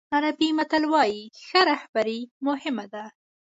عربي متل وایي ښه رهبري مهم ده.